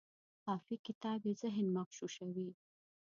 خافي کتاب یې ذهن مغشوشوي.